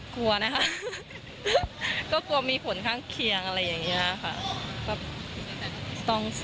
กลัวนะคะก็กลัวมีผลข้างเคียง